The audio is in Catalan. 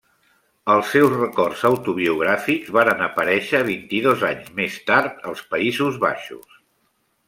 Els seus records autobiogràfics varen aparèixer vint-i-dos anys més tard als Països Baixos.